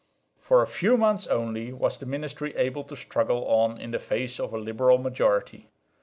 For a few months only was the ministry able to struggle on in the face of a liberal majority.